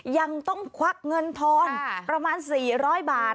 ยังต้องควักเงินทอนประมาณ๔๐๐บาท